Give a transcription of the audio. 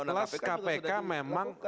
kelas kpk memang